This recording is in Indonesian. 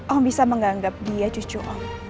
om bisa menganggap dia cucu allah